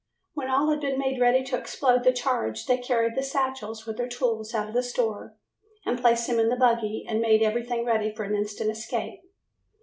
When all had been made ready to explode the charge, they carried the satchels with their tools out of the store and placed them in the buggy and made everything ready for an instant escape.